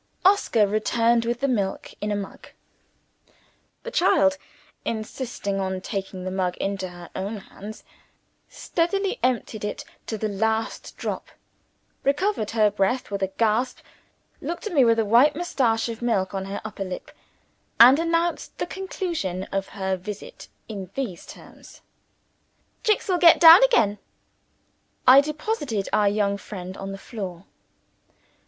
Oscar returned with the milk in a mug. The child insisting on taking the mug into her own hands steadily emptied it to the last drop recovered her breath with a gasp looked at me with a white mustache of milk on her upper lip and announced the conclusion of her visit, in these terms: "Jicks will get down again." I deposited our young friend on the floor.